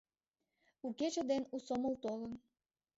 У кече ден у сомыл толын!